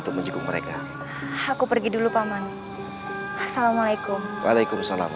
katakan kepada mereka yang tidak ingin menjahatmu